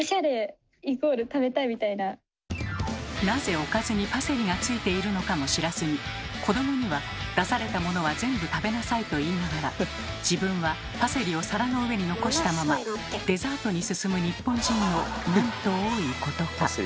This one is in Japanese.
なぜおかずにパセリがついているのかも知らずに子どもには「出されたものは全部食べなさい」と言いながら自分はパセリを皿の上に残したままデザートに進む日本人のなんと多いことか。